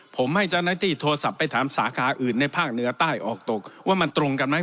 ผมให้เจ้าหน้าที่โทรศัพท์ไปถามสาขาอื่นในภาคเหนือใต้ออกตกว่ามันตรงกันไหม